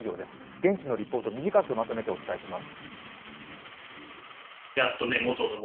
現地のリポート短くまとめてお伝えします。